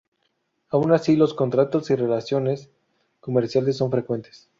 Aun así los contactos y relaciones comerciales son frecuentes.